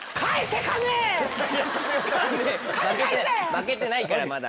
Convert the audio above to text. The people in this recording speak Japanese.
負けてないからまだ。